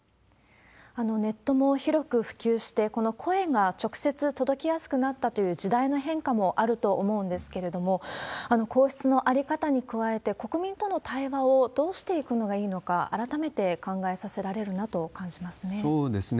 ネットも広く普及して、声が直接届けやすくなったという時代の変化もあると思うんですけれども、皇室の在り方に加えて、国民との対話をどうしていくのがいいのか、改めて考えさせられるなと感じますね。